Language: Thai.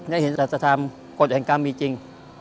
ได้เห็นศรัศธรรมกฎแห่งกรรมมีจริง